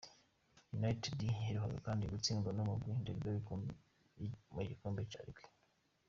United yaheruka kandi gutsindwa n'umugwi Derby mu gikombe ca Ligue.